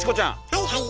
はいはい。